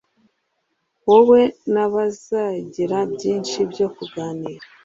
Wowe na bazagira byinshi byo kuganira.